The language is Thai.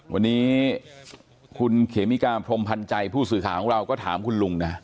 วันนี้คุณเขมิกาพรมพันธ์ใจผู้สื่อข่าวของเราก็ถามคุณลุงนะ